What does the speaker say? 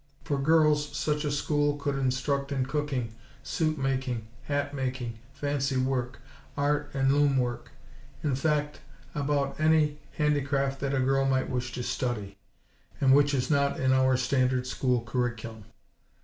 For girls such a school could instruct in cooking, suit making, hat making, fancy work, art and loom work; in fact, about any handicraft that a girl might wish to study, and which is not in our standard school curriculum.